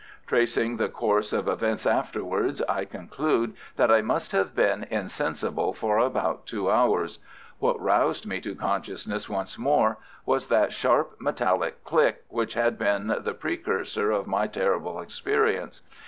Tracing the course of events afterwards, I conclude that I must have been insensible for about two hours. What roused me to consciousness once more was that sharp metallic click which had been the precursor of my terrible experience.